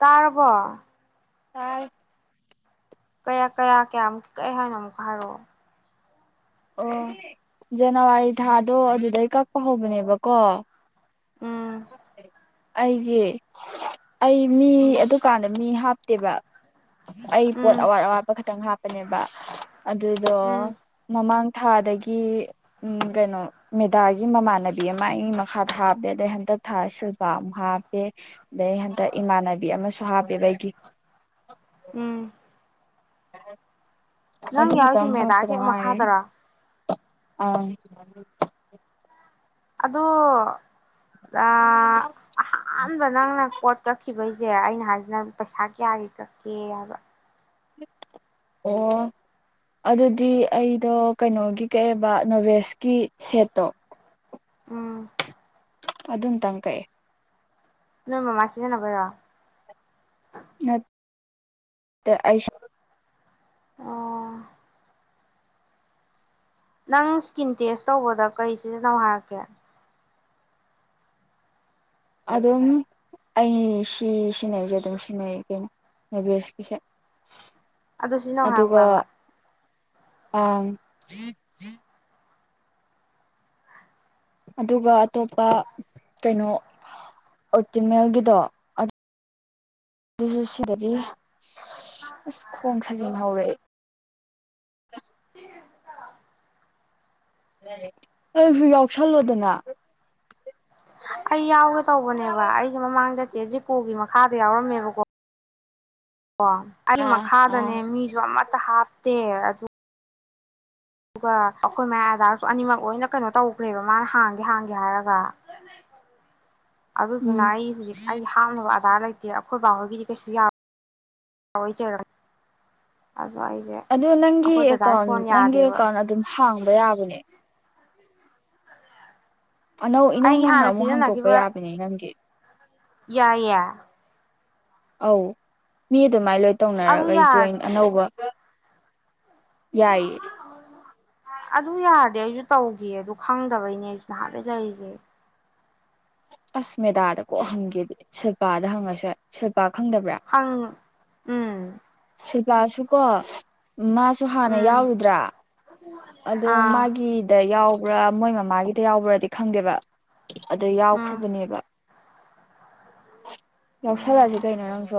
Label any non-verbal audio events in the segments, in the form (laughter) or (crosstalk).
ꯇꯥꯔꯔꯕ ꯑ ꯀꯌꯥ ꯀꯌꯥ ꯀꯌꯥꯃꯨꯛ ꯀꯩ ꯍꯥꯏꯅ ꯑꯃꯨꯛ ꯍꯥꯏꯔꯛꯑꯣ ꯑꯣ ꯖꯅꯋꯥꯔꯤ ꯊꯥꯗꯣ ꯑꯗꯨꯗꯩ ꯀꯛꯄ ꯍꯧꯕꯅꯦꯕꯀꯣ ꯎꯝ ꯑꯩꯒꯤ ꯑꯩ ꯃꯤ ꯎꯝ ꯑꯗꯨꯀꯥꯟꯗ ꯃꯤ ꯍꯥꯞ ꯇꯦꯕ ꯑꯩ ꯄꯣꯠ ꯎꯝ ꯑꯋꯥꯠ ꯑꯋꯥꯠꯄ ꯈꯛꯇꯪ ꯍꯥꯞꯄꯅꯦꯕ ꯑꯗꯨꯗꯣ ꯎꯝ ꯃꯃꯥꯡ ꯊꯥꯗꯒꯤ ꯎꯝ ꯀꯩꯅꯣ ꯃꯦꯗꯥꯒꯤ ꯃꯃꯥꯟꯅꯕꯤ ꯑꯃ ꯑꯩꯒꯤ ꯃꯈꯥ ꯊꯥꯕꯗ ꯑꯗꯩ ꯍꯟꯗꯛ ꯊꯥ ꯁꯜꯕ ꯑꯃꯨꯛ ꯍꯥꯞꯄꯦ ꯑꯗꯩ ꯍꯟꯗꯛ ꯏꯃꯥꯟꯅꯕꯤ ꯑꯃꯁꯨ ꯍꯥꯞꯄꯦꯕꯩꯒꯤ ꯎꯝ ꯑ ꯅꯪ ꯌꯥꯎꯔꯤꯁꯤ ꯃꯦꯗꯥ ꯍꯦꯛ ꯃꯈꯥꯗꯔ ꯑꯥ ꯑꯗ ꯑ ꯑꯥꯟꯕꯕ ꯅꯪꯅꯦ ꯄꯣꯠ ꯀ ꯀꯛꯈꯤꯕꯩꯁꯦ ꯑꯩꯅ ꯍꯥꯏꯁꯤꯅ ꯄꯩꯁꯥ ꯀꯌꯥꯒꯤ ꯀꯛꯀꯦ ꯍꯥꯏꯕ ꯑꯣ ꯑꯗꯨꯗꯤ ꯑꯩꯗꯣ ꯀꯩꯅꯣꯒꯤ ꯀꯛꯑꯕ ꯅꯣꯚꯦꯁꯀꯤ ꯁꯦꯠꯇꯣ ꯎꯝ ꯑꯗꯨꯝ ꯇꯪ ꯀꯩꯑꯦ ꯅꯣꯏ ꯃꯃꯥꯏꯁꯤꯗ ꯅꯕꯔꯣ ꯅꯠ ꯑꯣ ꯅꯪ ꯏꯁꯀꯤꯟ ꯇꯦꯁ ꯇꯧꯕꯗ ꯀꯔꯤ ꯁꯤꯖꯤꯟꯅꯧ ꯍꯥꯏꯔꯛꯀꯦ ꯑꯗꯨꯝ ꯑꯩ ꯁꯤ ꯁꯤꯖꯤꯟꯅꯩꯁꯦ ꯑꯗꯨꯝ ꯁꯤꯖꯤꯟꯅꯩ ꯀꯩꯅꯣ ꯅꯕꯁꯀꯤꯁꯦ ꯑꯗꯨ ꯁꯤ ꯅꯧ ꯍꯥꯏꯔꯛꯄ꯭ꯔꯕ ꯑꯥ ꯑꯗꯨꯒ ꯑꯇꯣꯞꯄ ꯀꯩꯅꯣ ꯑꯣꯇꯤꯃꯦꯜꯒꯤꯗꯣ ꯑꯗꯨꯁꯨ ꯁꯤꯗꯗꯤ ꯑ ꯑꯁ ꯈꯣꯡ ꯁꯥꯖꯤꯟ ꯍꯧꯧꯔꯛꯦ ꯅꯁꯨ ꯌꯥꯎꯁꯜꯂꯣꯗꯅ ꯑꯩ ꯌꯥꯎꯒꯦ ꯇꯧꯕꯅꯦꯕ ꯑꯩꯁꯦ ꯃꯃꯥꯡꯗ ꯆꯦ ꯖꯤꯀꯣꯒꯤ ꯃꯈꯥꯗ ꯌꯥꯋꯥꯔ ꯃꯌꯥꯝꯕꯀꯣ ꯑꯣ ꯑꯩ ꯑꯥ ꯑꯥ ꯃꯈꯥꯗꯅꯦ ꯃꯤꯁꯨ ꯑꯃꯠꯇ ꯍꯥꯞꯄ ꯑꯗꯨ ꯑꯗꯨꯒ ꯑꯩꯈꯣꯏ ꯃꯌꯥ ꯑꯗꯥꯔꯁꯨ ꯑꯅꯤꯃꯛ ꯂꯣꯏꯅ ꯀꯩꯅꯣ ꯇꯧꯈ꯭ꯔꯦꯕ ꯃꯥꯅ ꯍꯥꯡꯒꯦ ꯍꯥꯡꯒꯦ ꯍꯥꯏꯔꯒ ꯎꯝ ꯑꯗꯨꯗꯨꯅ ꯑꯩ ꯍꯧꯖꯤꯛ ꯑꯩ ꯍꯥꯞꯅꯕ ꯑꯙꯥꯔ ꯂꯩꯇꯦ ꯑꯩꯈꯣꯏ ꯕꯥꯍꯣꯏꯒꯤꯗꯤ ꯀꯩꯁꯨ ꯌꯥ ꯑ ꯅꯪꯒꯤ ꯑꯦꯀꯥꯎꯟ ꯅꯪꯒꯤ ꯌꯥꯗꯦꯕ ꯑꯦꯀꯥꯎꯟ ꯑꯗꯨꯝ ꯍꯥꯡꯕ ꯌꯥꯕꯅꯦ ꯑꯅꯧ ꯏꯅꯧ ꯑꯩꯒꯤ ꯅꯧꯅ ꯍꯥꯟꯅ ꯑꯃꯨꯛ ꯍꯥꯡꯇꯣꯛꯄ ꯌꯥꯕꯅꯤ ꯅꯪꯒꯤ ꯌꯥꯏ ꯌꯥ ꯑꯧ ꯃꯤ ꯑꯗꯨꯃꯥꯏ ꯂꯣꯏ ꯑꯗꯨ ꯇꯧꯅꯔꯒ ꯑꯩ ꯌꯥꯔ ꯖꯣꯏꯟ ꯑꯅꯧꯕ ꯌꯥꯏꯌꯦ ꯑꯗꯨ ꯌꯥꯔꯗꯤ ꯑꯩꯁꯨ ꯇꯧꯈꯤ ꯑꯗꯨ ꯈꯪꯗꯕꯩꯅꯦ ꯑꯩꯁꯨ ꯅꯍꯥꯟꯗꯩ ꯂꯩꯔꯤꯁꯦ ꯑꯁ ꯃꯦꯗꯥꯗ ꯀꯣꯛ ꯍꯪꯒꯦꯗꯤ ꯁꯤꯜꯄꯥꯗ ꯍꯪꯉꯁꯦꯜ ꯁꯤꯜꯄꯥ ꯈꯪꯗꯕ꯭ꯔꯥ ꯍꯪ ꯎꯝ ꯁꯤꯜꯄꯥꯁꯨ ꯀꯣ ꯃꯥꯁꯨ ꯍꯥꯟꯅ ꯎꯝ ꯌꯥꯎꯔꯨꯗ꯭ꯔꯥ ꯑꯗꯣ ꯑꯥ ꯃꯥꯒꯤꯗ ꯌꯥꯎ ꯄꯨꯔꯥ ꯃꯣꯏ ꯃꯃꯥꯒꯤꯗ ꯌꯥꯎꯕ꯭ꯔꯗꯤ ꯈꯪꯗꯦꯕ ꯑꯗꯨ ꯎꯝ ꯌꯥꯎꯈ꯭ꯔꯕꯅꯦꯕ ꯌꯥꯎꯁꯜꯂꯁꯤ ꯀꯩꯅꯣ ꯅꯪꯁꯨ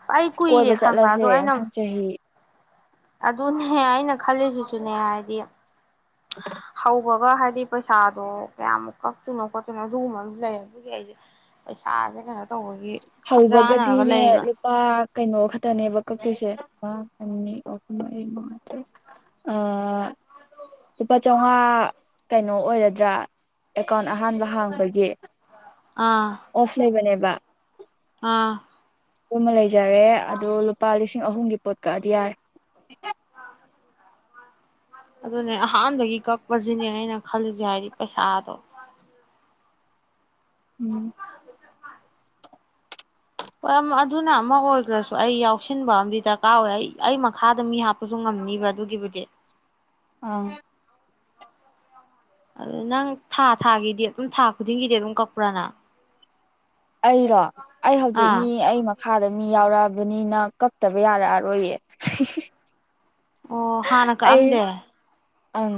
ꯑꯁ ꯑꯩ ꯀꯣꯏꯕ ꯀꯨꯏꯔꯦ ꯈꯟꯕ ꯑꯗꯣ ꯆꯠꯂꯁꯦ ꯑꯩꯅ ꯃꯊꯪ ꯆꯍꯤ ꯑꯗꯨꯅꯦ ꯑꯩꯅ ꯈꯜꯂꯤꯁꯤꯁꯨꯅꯦ ꯍꯥꯏꯗꯤ ꯍꯧꯕꯒ ꯍꯥꯏꯗꯤ ꯄꯩꯁꯥꯗꯣ ꯀꯌꯥꯃꯨꯛ ꯀꯛꯇꯣꯏꯅꯣ ꯈꯣꯠꯇꯣꯏꯅꯣ ꯑꯗꯨꯒꯨꯝꯕ ꯑꯃꯁꯨ ꯂꯩ ꯑꯗꯨꯒꯤ ꯑꯩꯁꯦ ꯄꯩꯁꯥꯁꯦ ꯀꯩꯅꯣ ꯇꯧꯕꯅꯦ ꯍꯧꯕꯒꯗꯤꯅꯦ ꯂꯨꯄꯥ ꯀꯩꯅꯣ ꯈꯛꯇꯅꯦꯕ ꯀꯛꯇꯣꯏꯁꯦ ꯑꯅꯤ ꯑꯍꯨꯝ ꯃꯔꯤꯉꯥ ꯇꯔ ꯂꯨꯄꯥ ꯆꯝꯃꯉꯥ ꯀꯩꯅꯣ ꯑꯣꯏꯒꯗ꯭ꯔꯥ ꯑꯦꯀꯥꯎꯟ ꯑꯍꯥꯟꯕ ꯍꯥꯡꯕꯒꯤ ꯑꯥ ꯑꯣꯐ ꯂꯩꯕꯅꯦꯕ ꯑꯥ ꯑꯗꯨꯃ ꯂꯩꯖꯔꯦ ꯑꯗꯣ ꯂꯨꯄꯥ ꯂꯤꯁꯤꯡ ꯑꯍꯨꯝꯒꯤ ꯄꯣꯠ ꯀꯛꯑꯗꯤ ꯌꯥꯔꯦ ꯑꯗꯨꯅꯦ ꯑꯍꯥꯟꯕꯒꯤ ꯀꯛꯄꯁꯤꯅꯦ ꯑꯩꯅ ꯈꯜꯂꯤꯁꯦ ꯍꯥꯏꯗꯤ ꯄꯩꯁꯥꯗꯣ ꯎꯝ ꯍꯣꯏ ꯑꯗꯨꯅ ꯑꯃ ꯑꯣꯏꯈ꯭ꯔꯁꯨ ꯑꯩ ꯌꯥꯎꯁꯤꯟꯕ ꯑꯃꯗꯤ ꯗꯔꯀꯥꯔ ꯑꯣꯏ ꯑꯩ ꯑꯩ ꯃꯈꯥꯗ ꯃꯤ ꯍꯥꯞꯄꯁꯨ ꯉꯝꯅꯤꯕ ꯑꯗꯨꯒꯤꯕꯨꯗꯤ ꯑꯥ ꯑꯗꯨ ꯅꯪ ꯊꯥ ꯊꯥꯒꯤꯗꯤ ꯑꯗꯨꯝ ꯊꯥ ꯈꯨꯗꯤꯡꯒꯤꯗꯤ ꯑꯗꯨꯝ ꯀꯛꯄ꯭ꯔꯥꯅ ꯑꯩꯔꯣ ꯑꯩ ꯍꯧꯖꯤꯛ ꯑꯥ ꯃꯤ ꯑꯩ ꯃꯈꯥꯗ ꯃꯤ ꯌꯥꯎꯔꯛꯑꯕꯅꯤꯅ ꯀꯛꯇꯕ ꯌꯥꯔꯛꯑꯔꯣꯏꯌꯦ ꯑꯣ ꯍꯥꯟꯅ ꯑꯩ ꯀꯛꯑꯝꯗꯦ ꯑꯪ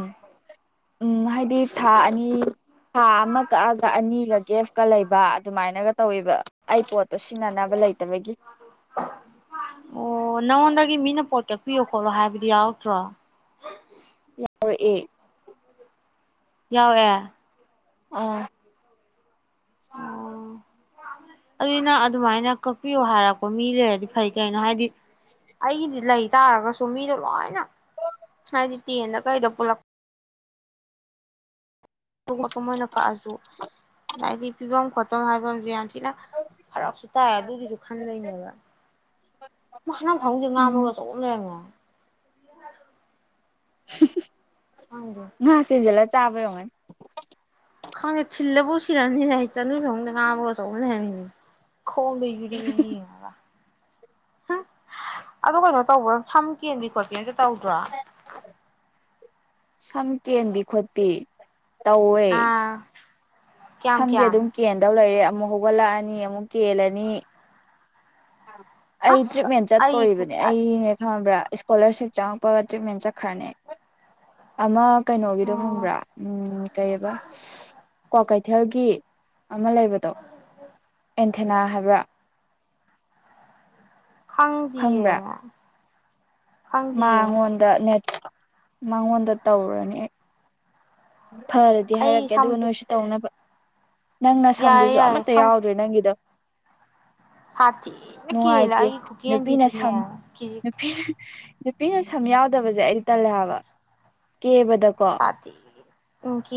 ꯎꯝ ꯍꯥꯏꯗꯤ ꯊꯥ ꯑꯅꯤ ꯊꯥ ꯑꯃ ꯀꯛꯑꯒ ꯑꯅꯤꯒ ꯒꯦꯐꯀ ꯂꯩꯕ ꯑꯗꯨꯃꯥꯏꯅꯒ ꯇꯧꯋꯦꯕ ꯑꯩ ꯄꯣꯠꯇꯣ ꯁꯤꯟꯅꯅꯕ ꯂꯩꯇꯕꯒꯤ ꯑꯣ ꯅꯪꯉꯣꯟꯗꯒꯤ ꯃꯤꯅ ꯄꯣꯠ ꯀꯛꯄꯤꯌꯣ ꯈꯣꯠꯂꯣ ꯍꯥꯏꯕꯗꯤ ꯌꯥꯎꯔꯛꯇ꯭ꯔꯣ ꯌꯥꯎꯔꯛꯑꯦ ꯌꯥꯎꯦ ꯑꯥ ꯑꯣ ꯑꯗꯨꯒꯤꯅ ꯑꯗꯨꯃꯥꯏꯅ ꯀꯛꯄꯤꯌꯣ ꯍꯥꯏꯔꯛꯄ ꯃꯤ ꯂꯩꯔꯗꯤ ꯐꯩ ꯀꯩꯅꯣ ꯍꯥꯏꯗꯤ ꯑꯩꯗꯂ ꯑꯩ ꯇꯥꯔꯒꯁꯨ ꯃꯤꯗꯣ ꯂꯣꯏꯅ ꯍꯥꯏꯗꯤ ꯇꯦꯟꯗ ꯀꯩꯗ ꯄꯨꯂꯛꯄ ꯈꯣꯠꯄ ꯃꯣꯏꯅ ꯀꯛꯑꯁꯨ ꯍꯥꯏꯗꯤ ꯄꯤꯐꯝ ꯈꯣꯠꯐꯝ ꯍꯥꯏꯐꯝꯁꯦ ꯌꯥ ꯁꯤꯅ ꯐꯔꯛꯁꯨ ꯇꯥꯏ ꯑꯗꯨꯒꯤꯁꯨ ꯈꯟꯗꯣꯏꯅꯦꯕ ꯃꯈ ꯍꯅꯪ ꯐꯥꯎꯁꯦ ꯎꯝ ꯉꯥꯝꯃꯨꯔꯒ ꯆꯆꯨꯝ ꯂꯩꯔꯝꯉꯦ ꯏ ꯉ ꯆꯦꯖꯂ ꯆꯥꯕꯃ ꯈꯪꯗꯦ ꯊꯤꯜꯂꯕꯨ ꯎꯁꯤꯔꯅꯤꯅꯦ ꯍꯥꯏ ꯆꯅꯨ ꯐꯗ ꯉꯥꯕ꯭ꯔꯒ ꯆꯧꯕꯅꯤ ꯍꯥꯏꯔꯃꯤꯅꯦ ꯈꯣꯡꯗ ꯌꯔꯤꯅꯤ ꯑꯗꯨ ꯀꯩꯅꯣ ꯇꯧꯕ꯭ꯔꯣ ꯁꯝ ꯀꯦꯟꯕꯤ ꯈꯣꯠꯀꯦꯇ ꯇꯧꯗ꯭ꯔꯣ ꯁꯝ ꯀꯦꯟꯕꯤ ꯈꯣꯠꯄꯤ ꯇꯧꯋꯦ ꯑꯥ ꯀꯌꯥꯝ ꯁꯝꯗꯤ ꯀꯌꯥꯝ ꯑꯗꯨꯝ ꯀꯦꯟꯗꯧ ꯂꯩꯔꯦ ꯑꯃꯨꯛ ꯍꯧꯒꯠꯂꯛꯑꯅꯤ ꯑꯃꯨꯛ ꯀꯦꯜꯂꯅꯤ ꯑꯩ ꯑꯁ ꯇ꯭ꯔꯤꯠꯃꯦꯟ ꯑꯩ ꯑꯣ ꯆꯠꯇꯣꯔꯤꯕꯅꯦ ꯑꯩꯅꯦ ꯈꯪꯕ꯭ꯔꯥ ꯏꯁꯀꯣꯂꯔꯁꯤꯞ ꯆꯪꯉꯛꯄꯒ ꯇ꯭ꯔꯤꯠꯃꯦꯟ ꯆꯠꯈ꯭ꯔꯅꯦ ꯑꯃ ꯀꯩꯅꯣꯒꯤꯗꯣ ꯈꯪꯕ꯭ꯔꯥ ꯎꯝ ꯀꯩꯕ ꯀ꯭ꯋꯥꯀꯩꯊꯦꯜꯒꯤ ꯑꯃ ꯂꯩꯕꯗꯣ ꯑꯦꯟꯊꯦꯅꯥ ꯍꯥꯏꯕ꯭ꯔꯥ ꯈꯪꯗꯤꯌꯦ ꯈꯪꯗꯤꯌꯦ ꯃꯥꯉꯣꯟꯗ ꯅ ꯃꯉꯣꯟꯗ ꯇꯧꯔꯅꯤ ꯑꯩ ꯐꯔꯗꯤ ꯑꯩ ꯍꯥꯏꯔꯛꯀꯦ ꯁꯝ ꯑꯗꯨꯒ ꯅꯣꯏꯁꯨ ꯇꯧꯅꯕ ꯅꯪꯅ ꯌꯥꯏꯌꯦ ꯁꯝꯗꯨꯁꯨ ꯌꯥꯏꯌꯦ ꯑꯃꯠꯇ ꯁꯝ ꯌꯥꯎꯗ꯭ꯔꯦ ꯅꯪꯒꯤꯗꯣ ꯁꯥꯊꯤꯅ ꯀꯦꯂ ꯅꯨꯡꯉꯥꯏꯇꯦ ꯈꯨ ꯅꯨꯄꯤꯅ ꯁꯝ ꯀꯟꯗꯗꯅꯦꯦ ꯀꯖꯤ ꯅꯨꯄꯤ ꯅꯨꯄꯤꯅ ꯁꯝ ꯌꯥꯎꯗꯕꯁꯦ ꯑꯩꯗꯤ ꯇꯜꯂꯦꯕ ꯀꯦꯕ ꯁꯥꯇ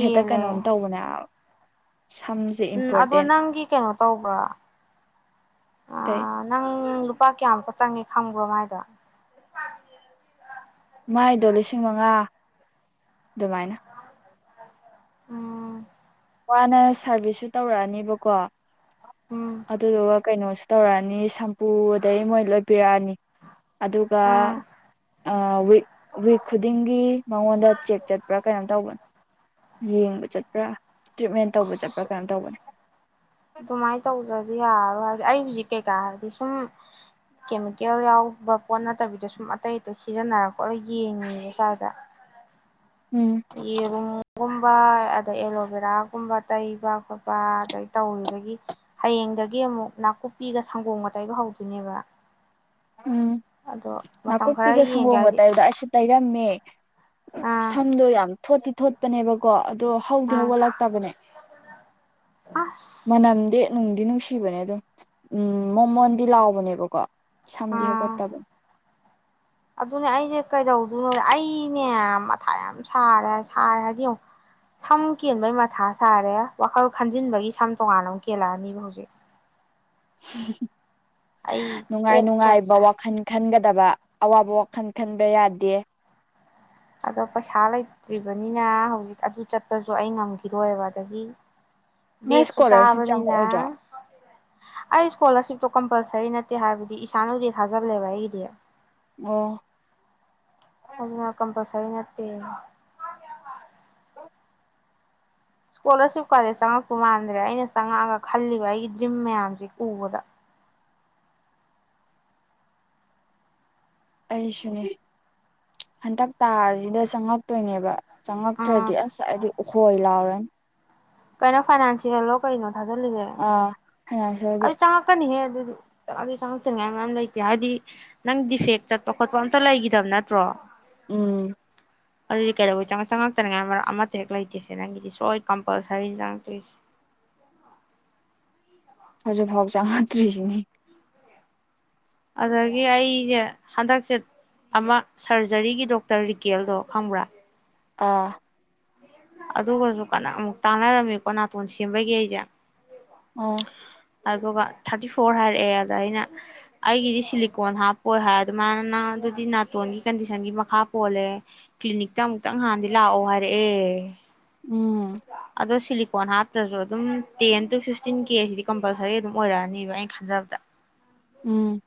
ꯍꯦꯛꯇ ꯀꯩꯅꯣꯝ ꯇꯧꯕꯅꯦ ꯁꯝꯁꯦ ꯎꯝ ꯑꯗꯣ ꯏꯝꯄꯣꯔꯇꯦꯟ ꯅꯪꯒꯤ ꯀꯩꯅꯣ ꯇꯧꯕ꯭ꯔ ꯀꯩ ꯅꯪ ꯂꯨꯄꯥ ꯀꯌꯥꯃꯨꯛ ꯆꯪꯉꯦ ꯈꯪꯕ꯭ꯔꯣ ꯃꯥꯏꯗ ꯃꯥꯏꯗꯣ ꯂꯤꯁꯤꯡ ꯃꯉꯥ ꯑꯗꯨꯃꯥꯏꯅ ꯎꯝ ꯋꯥꯅ ꯁꯥꯔꯚꯤꯁꯁꯨ ꯇꯧꯔꯛꯑꯅꯦꯕꯀꯣ ꯎꯝ ꯑꯗꯨꯗ ꯋꯥ ꯀꯥꯏꯩꯅꯁ ꯇꯧꯔꯛꯑꯅꯤ ꯁꯝꯄꯨ ꯑꯗꯩ ꯃꯣꯏ ꯂꯣꯏꯄꯤꯔꯛꯑꯅꯤ ꯑꯗꯨꯒ ꯑꯥ ꯋꯤꯛ ꯋꯤꯛ ꯈꯨꯗꯤꯡꯒꯤ ꯃꯉꯣꯟꯗ ꯆꯦꯛ ꯆꯠꯄ꯭ꯔꯥ ꯀꯩꯅꯣ ꯇꯧꯕꯅꯤ ꯌꯦꯡꯕ ꯆꯠꯠꯇ꯭ꯔꯥ ꯇ꯭ꯔꯤꯠꯃꯦꯟ ꯇꯧꯕ ꯆꯠꯄ꯭ꯔꯥ ꯀꯩꯅꯣ ꯇꯧꯕꯅꯤ ꯑꯗꯨꯃꯥꯏꯅ ꯇꯧꯗ꯭ꯔꯗꯤ ꯌꯥꯔꯣꯏ ꯍꯥꯏ ꯑꯩ ꯍꯧꯖꯤꯛ ꯀꯩꯀꯥ ꯍꯥꯏꯔꯗꯤ ꯁꯨꯝ ꯀꯦꯃꯤꯀꯦꯜ ꯌꯥꯎꯕ ꯄꯣꯠ ꯅꯠꯇꯕꯤꯗꯣ ꯁꯨꯝ ꯑꯇꯩ ꯑꯇꯩ ꯁꯤꯖꯤꯟꯅꯔꯛꯄ ꯌꯦꯡꯉꯤꯕ ꯁ꯭ꯋꯥꯏꯗ ꯎꯝ ꯌꯦꯔꯨꯝꯒꯨꯝ ꯑꯗꯩ ꯑꯦꯂꯣꯚꯦꯔꯥꯒꯨꯝꯕ ꯇꯩꯕ ꯈꯣꯠꯄ ꯑꯗꯩ ꯇꯧꯔꯤꯗꯒꯤ ꯍꯌꯦꯡꯗꯒꯤ ꯑꯃꯨꯛ ꯅꯥꯀꯨꯞꯄꯤꯒ ꯁꯪꯒꯣꯝꯒ ꯇꯩꯕ ꯍꯧꯗꯣꯏꯅꯦꯕ ꯎꯝ ꯑꯗꯣ ꯃꯇꯝ ꯈꯔ ꯅꯥꯀꯨꯞꯄꯤꯒ ꯌꯦꯡꯒꯦ ꯁꯪꯒꯣꯝꯒ ꯍꯥꯏꯗꯤ ꯇꯥꯏꯕꯗ ꯑꯩꯁꯨ ꯇꯩꯔꯝꯃꯦ ꯑꯥ ꯁꯝꯗꯣ ꯌꯥꯝ ꯊꯣꯠꯇꯤ ꯊꯣꯠꯇꯤ ꯄꯅꯦꯕꯀꯣ ꯑꯗꯣ ꯍꯧꯗꯤ ꯑꯥ ꯍꯧꯒꯠꯂꯛꯇꯕꯅꯦ ꯑꯁ ꯃꯅꯝꯗꯤ ꯅꯨꯡꯗꯤ ꯅꯨꯡꯁꯤ ꯁꯤꯕꯅꯦ ꯑꯗꯨꯝ ꯎꯝ ꯃꯣꯃꯣꯟꯗꯤ ꯂꯥꯎꯕꯅꯦꯕꯀꯣ ꯁꯝꯗꯤ ꯍꯧꯒꯠ ꯑꯥ ꯇꯕ ꯑꯗꯨꯅꯦ ꯑꯩꯖꯦ ꯀꯩꯗꯧꯗꯨꯏꯅꯣ ꯑꯩꯅꯦ ꯃꯊꯥ ꯌꯥꯝ ꯁꯥꯔꯦ ꯁꯥꯔꯦ ꯍꯥꯏꯗꯤ ꯌꯦꯡꯉꯨ ꯁꯝ ꯀꯦꯟꯕꯩ ꯃꯊꯥ ꯁꯥꯔꯦ, ꯋꯥꯈꯜ ꯈꯟꯖꯤꯟꯕꯒꯤ ꯁꯝ ꯇꯣꯉꯥꯟꯅ ꯑꯃꯛ ꯀꯦꯜꯂꯛꯑꯅꯤꯕ ꯍꯧꯖꯤꯛ꯫ (unintelligible) ꯑꯩ ꯅꯨꯡꯉꯥꯏ ꯀꯣꯛ ꯌꯥꯝ ꯅꯨꯡꯉꯥꯏꯕ ꯁꯥꯏ ꯋꯥꯈꯟ ꯈꯟꯒ ꯗꯕ ꯑꯋꯥꯕ ꯋꯥꯈꯟ ꯈꯟꯕ ꯌꯥꯗꯦ꯫ ꯑꯗꯣ ꯄꯩꯁꯥ ꯂꯩꯇ꯭ꯔꯤꯕꯅꯤꯅ ꯍꯧꯖꯤꯛ ꯑꯗꯨ ꯆꯠꯄꯖꯨ ꯑꯩ ꯉꯝꯒꯤꯔꯣꯏꯕ ꯑꯗꯒꯤ ꯅꯣꯏ ꯕꯦꯛꯁꯨ ꯏꯁꯀꯣꯂꯥꯔꯁꯤꯞ ꯆꯥꯕꯅꯤꯅ ꯆꯪꯉꯛꯑꯣꯏꯗ꯭ꯔꯣ ꯑꯩ ꯏ꯭ꯁꯀꯣꯂꯔꯁꯤꯞꯇꯣ ꯀꯝꯄꯜꯁꯔꯤ ꯅꯠꯇꯦ ꯍꯥꯏꯕꯗꯤ ꯏꯁꯥꯟ ꯎꯗꯦ ꯊꯥꯖꯜꯂꯦꯕ ꯑꯩꯒꯤꯗꯤ꯫ ꯑꯣ꯫ ꯑꯗꯨꯅ ꯀꯝꯄꯜꯁꯔꯤ ꯅꯠꯇꯦ (inaudible) ꯏ꯭ꯁꯀꯣꯂꯔꯁꯤꯞ ꯀꯥꯖꯦ ꯆꯪꯉꯛꯇꯨ ꯃꯥꯟꯗ꯭ꯔꯦ ꯑꯩꯅ ꯆꯪꯉꯛꯑꯒ ꯈꯜꯂꯤꯕ ꯑꯩꯒꯤ ꯗ꯭ꯔꯤꯝ ꯃꯌꯥꯝꯖꯦ ꯎꯕꯗ꯫ ꯑꯩꯁꯨꯅꯦ, ꯍꯟꯇꯛ ꯇꯥꯖꯤꯗ ꯆꯪꯉꯛꯇꯣꯏꯅꯦꯕ꯫ ꯎꯝ ꯆꯪꯉꯛꯇ꯭ꯔꯗꯤ ꯑꯁ ꯑꯩꯗꯤ ꯎꯍꯣꯏ ꯂꯥꯎꯔꯅꯤ꯫ ꯀꯩꯅꯣ ꯐꯥꯏꯅꯥꯟꯁꯤꯌꯦꯜꯂꯣ ꯀꯩꯅꯣ? ꯀꯥꯖꯂꯤꯖꯦ ꯑꯥ ꯐꯥꯏꯅꯥꯟꯁꯤꯌꯦꯜꯒꯤ ꯑꯗꯨ ꯆꯉꯀꯅꯤ ꯍꯥꯏꯌꯦ ꯑꯗꯨꯗꯤ ꯆꯪꯉꯛꯇꯅꯤꯉꯥꯏ ꯃꯌꯥꯝ ꯂꯩꯇꯦ ꯍꯥꯏꯗꯤ ꯅꯪ ꯗꯤꯐꯦꯛ ꯆꯠꯄ ꯈꯣꯠꯄ ꯑꯝꯇ ꯂꯩꯈꯤꯗꯕ ꯅꯠꯇ꯭ꯔꯣ ꯎꯝ ꯑꯗꯨꯗꯤ ꯀꯩꯗ ꯆꯪꯉꯛꯇꯅꯤꯉꯥꯏ ꯃꯔꯛ ꯑꯃꯠꯇ ꯍꯦꯛ ꯂꯩꯇꯦꯁꯦ ꯅꯪꯒꯤꯗꯤ ꯁꯣꯏ ꯀꯝꯄꯜꯁꯔꯤꯅꯤ ꯆꯪꯉꯛꯇꯣꯏꯁꯦ ꯍꯧꯖꯤꯛ ꯐꯥꯎ ꯆ ꯉꯛꯇ꯭ꯔꯤꯁꯤꯅꯤ ꯑꯗꯒꯤ ꯑꯩꯁꯦ ꯍꯟꯗꯛꯁꯦ ꯑꯃ ꯁꯔꯖꯔꯤꯒꯤ ꯗꯣꯛꯇꯔ ꯔꯤꯀꯦꯜꯗꯣ ꯈꯪꯕ꯭ꯔꯥ ꯑꯥ ꯑꯗꯨꯒꯁꯨ ꯀꯅꯥ ꯑꯃꯨꯛ ꯇꯥꯅꯔꯝꯃꯤꯀꯣ ꯅꯥꯇꯣꯟ ꯁꯦꯝꯕꯒꯤ ꯑꯩꯁꯦ ꯑ (unintelligible) ꯑꯗꯨꯒ ꯊꯥꯔꯇꯤ ꯐꯣꯔ ꯍꯥꯏꯔꯛꯑꯦ ꯑꯗ ꯑꯩꯅ ꯑꯩꯒꯤꯗꯤ ꯁꯤꯂꯤꯀꯣꯟ ꯍꯥꯞꯄꯣꯏ ꯍꯥꯏ ꯑꯗꯨꯃꯥꯏꯅ ꯅꯪ ꯑꯗꯨꯗꯤ ꯅꯥꯇꯣꯟꯒꯤ ꯀꯟꯗꯤꯁꯟꯒꯤ ꯃꯈꯥ ꯄꯣꯜꯂꯦ ꯀ꯭ꯂꯤꯅꯤꯛꯇ ꯑꯃꯨꯛꯇꯪ ꯅꯍꯥꯟꯗꯤ ꯂꯥꯛꯑꯣ ꯍꯥꯏꯔꯛꯑꯦ ꯎꯝ ꯑꯗꯣ ꯁꯤꯂꯤ ꯐꯣꯟ ꯍꯥꯞꯇ꯭ꯔꯁꯨ ꯑꯗꯨꯝ ꯇꯦꯟ ꯇꯨ ꯐꯤꯐꯇꯤꯟ ꯀꯦꯁꯤꯗꯤ ꯀꯝꯄꯜꯁꯔꯤ ꯑꯗꯨꯝ ꯑꯣꯏꯔꯛꯑꯅꯤꯕ ꯑꯩꯅ ꯈꯟꯖꯕꯗ ꯎꯝ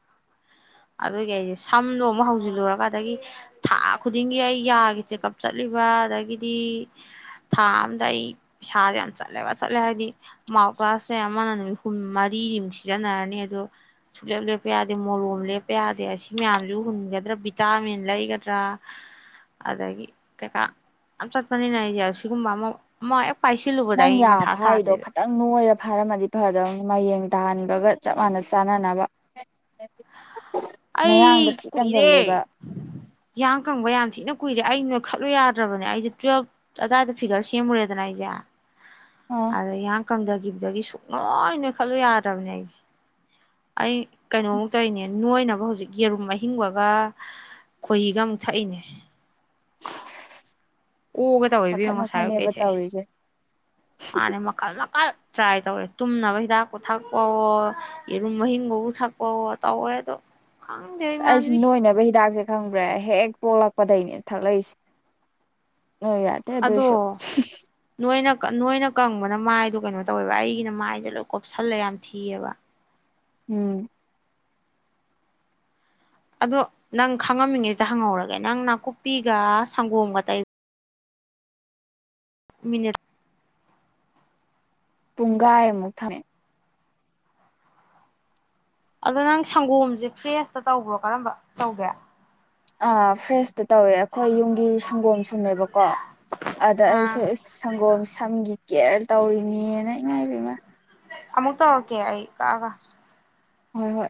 ꯑꯗꯨꯒꯤ ꯑꯩꯁꯦ ꯁꯝꯗꯣ ꯑꯃꯨꯛ ꯍꯧꯖꯤꯜꯂꯨꯔꯒ ꯑꯗꯒꯤ ꯊꯥ ꯈꯨꯗꯤꯡꯒꯤ ꯑꯩ ꯌꯥꯒꯤ ꯆꯦꯛꯀꯞ ꯆꯠꯂꯤꯕ ꯑꯗꯒꯤꯗꯤ ꯊꯥ ꯑꯝꯗ ꯑꯩ ꯄꯩꯁꯥꯁꯦ ꯌꯥꯝ ꯆꯠꯂꯦꯕ ꯆꯠꯂꯦ ꯍꯥꯏꯕꯗꯤ ꯃꯥꯎ ꯀ꯭ꯂꯥꯁꯁꯦ (unintelligible) ꯐꯨꯝ ꯃꯔꯤꯅꯤꯃꯨꯛ ꯁꯤꯖꯤꯟꯅꯔꯅꯤ ꯑꯗꯣ ꯁꯨꯛꯂꯦꯞ ꯂꯦꯞꯄ ꯌꯥꯗꯦ ꯃꯣꯔꯣꯝ ꯂꯦꯞꯄ ꯄ ꯌꯥꯗꯦ ꯑꯁꯤ ꯃꯌꯥꯝꯁꯨ ꯍꯨꯟꯒꯗ꯭ꯔꯥ ꯚꯤꯇꯥꯃꯤꯟ ꯂꯩꯒꯗ꯭ꯔꯥ ꯑꯗꯒꯤ ꯀꯩꯀꯥ ꯌꯥꯝ ꯆꯠꯄꯅꯤꯅ ꯑꯩꯁꯦ ꯑꯁꯤꯒꯨꯝꯕ ꯑꯃ ꯑꯃ ꯄꯥꯏꯁꯤꯜꯂꯨꯕꯗ ꯅꯪ ꯑꯩ ꯌꯥ ꯃꯊꯥ ꯐꯥꯔꯤꯗꯣ ꯁꯥꯗꯣꯏꯕ ꯈꯤꯇꯪ ꯅꯣꯏꯔ ꯐꯥꯔꯝꯃꯗꯤ ꯐꯗꯧꯅꯤ ꯃꯥ ꯌꯦꯡ ꯇꯥꯍꯟꯕꯒ ꯆꯞ ꯃꯥꯟꯅ ꯆꯥꯅꯅꯕ ꯑꯩ ꯀꯨꯏꯔꯦ ꯌꯌꯥꯡ ꯀꯪꯕ ꯌꯥꯃꯊꯤꯅ ꯀꯨꯏꯔꯦ ꯑꯩꯅ ꯈꯜꯂꯨ ꯌꯥꯗ꯭ꯔꯕꯅꯦ ꯑꯩꯁꯦ ꯇꯨꯋꯦꯜꯞ ꯑꯗꯨꯗꯥꯋꯥꯏꯗ ꯐꯤꯒꯔ ꯁꯦꯝꯃꯨꯔꯦꯗꯅ ꯑꯩꯁꯦ ꯑ ꯑꯗ ꯌꯥ ꯀꯝꯊꯈꯤꯕꯗꯒꯤ ꯁꯨꯡꯛꯂ ꯂꯣꯏ ꯑꯣꯏꯅ ꯈꯜꯂꯨ ꯌꯥꯗ꯭ꯔꯕꯅꯦ ꯑꯩꯁꯦ ꯑꯩ ꯀꯩꯅꯣꯃꯨꯛ ꯇꯧꯔꯤꯅꯦ ꯅꯣꯏꯅꯕ ꯍꯧꯖꯤꯛ ꯌꯦꯔꯨꯝ ꯑꯍꯤꯡꯕꯒ ꯈꯣꯏꯍꯤꯒ ꯑꯃꯨꯛ ꯊꯛꯏꯅꯦ ꯎꯒ ꯇꯕꯤ ꯃꯈꯟ ꯃꯁꯥꯏ ꯀꯩ ꯃꯈꯟꯅꯦꯕ ꯊ ꯇꯧꯔꯤꯁꯦ ꯃꯥꯅꯦ ꯃꯀꯜ ꯃꯀꯜ ꯇ꯭ꯔꯥꯏ ꯇꯧꯔꯦ ꯇꯨꯝꯅꯕ ꯍꯤꯗꯥꯛꯄꯨ ꯊꯛꯄꯋꯣ ꯌꯦꯔꯨꯝ ꯃꯍꯤꯡꯒꯕꯨ ꯊꯛꯄꯋꯣ ꯇꯧꯔꯦ ꯑꯗꯣ ꯈꯪꯗꯦ ꯑꯩꯁꯨ ꯏꯃꯥꯟꯕꯤ ꯅꯣꯏꯅꯕ ꯍꯤꯗꯥꯛꯁꯦ ꯈꯪꯕ꯭ꯔꯦ ꯍꯦꯛ ꯄꯣꯛꯂꯛꯄꯗꯒꯤꯩꯅꯦ ꯊꯛꯂꯛꯏꯁꯦ ꯑ ꯌꯥꯗꯦꯗꯣꯏꯁꯣ ꯑꯗꯣ ꯅꯣꯏꯅ ꯅꯣꯏꯅ ꯀꯪꯕꯅ ꯃꯥꯏꯗꯣ ꯀꯩꯅꯣ ꯇꯧꯋꯦꯕ ꯑꯩꯒꯤꯅ ꯃꯥꯏꯁꯦ ꯂꯣꯏ ꯀꯣꯞꯁꯜꯂꯦ ꯌꯥꯝ ꯊꯤꯑꯕ ꯎꯝ ꯑꯗꯣ ꯅꯪ ꯈꯪꯉꯝꯃꯤꯉꯩꯁꯤꯗ ꯍꯪꯍꯧꯔꯒꯦ ꯅꯪ ꯅꯥꯀꯨꯞꯄꯤꯒ ꯁꯪꯒꯣꯝꯒ ꯇ ꯃꯤꯅꯤꯠ ꯇꯨꯡꯒꯥꯥꯏ ꯃꯨꯊꯃꯦ ꯑꯗꯣ ꯅꯪ ꯁꯪꯒꯣꯝꯁꯦ ꯐ꯭ꯔꯦꯁꯇ ꯇꯧꯕ꯭ꯔꯣ ꯀꯔꯝꯕ ꯇꯧꯒꯦ ꯑ ꯐ꯭ꯔꯦꯁ ꯑ ꯇ ꯇꯧꯋꯦ ꯑꯩꯈꯣꯏ ꯌꯨꯝꯒꯤ ꯁꯪꯒꯣꯝ ꯁꯨꯝꯃꯦꯕꯀꯣ ꯑꯗ ꯑꯥ ꯑꯩꯁꯨ ꯁꯪꯒꯣꯝ ꯁꯝꯒꯤ ꯀꯦꯌꯔ ꯇꯧꯔꯤꯅꯦꯅ ꯏꯉꯥꯏ ꯄꯦꯝꯃ ꯑꯃꯃꯨꯛꯇꯛꯇ ꯑꯣꯀꯦ ꯀꯥꯒ ꯍꯣꯏ ꯍꯣꯏ